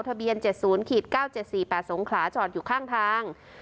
ทะเบียน๗๐๙๗๔๘สงขลาจอดอยู่ข้างทาง